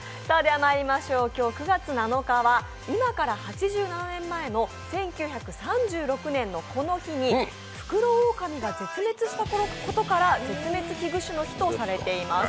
今日９月７日は今から８７年前の１９３６年のこの日にフクロオオカミが絶滅したことから絶滅危惧種の日とされています。